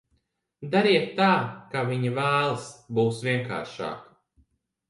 Dariet tā, kā viņa vēlas, būs vienkāršāk.